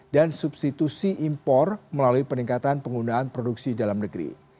dan substitusi impor melalui peningkatan penggunaan produksi dalam negeri